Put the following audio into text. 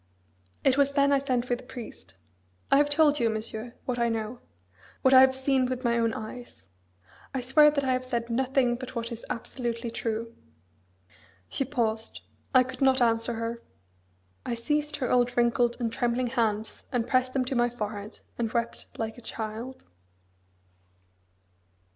It was then I sent for the priest. I have told you, Monsieur, what I know; what I have seen with my own eyes. I swear that I have said nothing but what is absolutely true." She paused. I could not answer her. I seized her old wrinkled and trembling hands and pressed them to my forehead, and wept like a child.